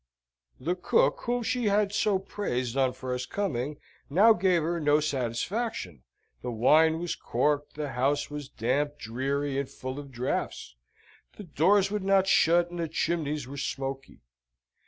The cook, whom she had so praised on first coming, now gave her no satisfaction; the wine was corked; the house was damp, dreary, and full of draughts; the doors would not shut, and the chimneys were smoky.